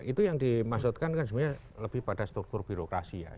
itu yang dimaksudkan kan sebenarnya lebih pada struktur birokrasi ya